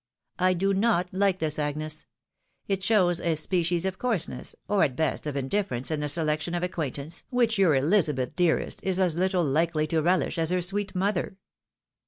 I do not like this, Agnes. It shows a species of coarseness, or at best of indifference in the selection of ac quaintance, which your EHzabeth, dearest, is as little likely to relish as her sweet mother."